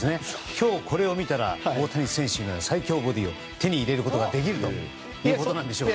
今日、これを見たら大谷選手の最強ボディーを手に入れることができるってことなんでしょうか？